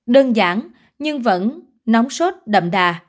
đơn giản nhưng vẫn nóng sốt đậm đà